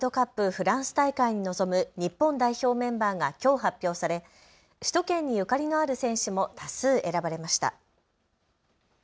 フランス大会に臨む日本代表メンバーがきょう発表され首都圏にゆかりのある選手も多数選ばれました。